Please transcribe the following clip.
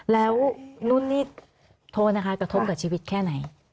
แล้วนู่นนี่โทษนะคะกระทบกับชีวิตแค่ไหน